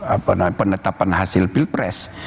apa penetapan hasil pilpres